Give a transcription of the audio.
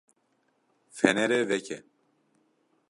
Fenerê veke.